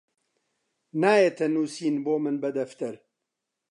نایەتە نووسین بۆ من بە دەفتەر